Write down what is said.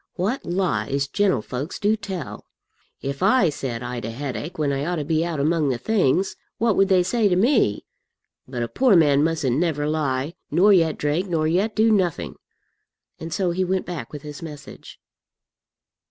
"What lies gentlefolks do tell! If I said I'd a headache when I ought to be out among the things, what would they say to me? But a poor man mustn't never lie, nor yet drink, nor yet do nothing." And so he went back with his message.